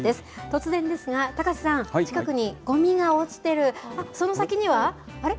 突然ですが、高瀬さん、近くにごみが落ちてる、あっ、その先には、あれ？